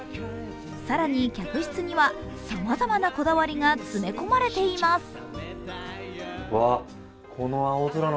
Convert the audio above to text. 更に、客室にはさまざまなこだわりが詰め込まれています。